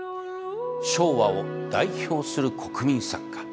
昭和を代表する「国民作家」